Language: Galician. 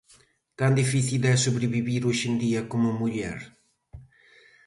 Tan difícil é sobrevivir hoxe en día como muller?